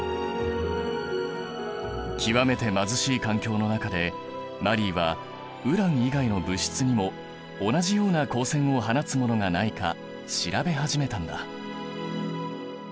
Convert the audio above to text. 極めて貧しい環境の中でマリーはウラン以外の物質にも同じような光線を放つものがないか調べ始めたんだ。